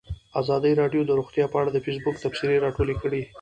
ازادي راډیو د روغتیا په اړه د فیسبوک تبصرې راټولې کړي.